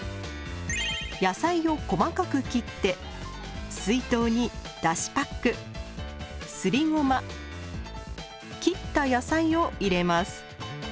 野菜を細かく切って水筒にだしパックすりごま切った野菜を入れます。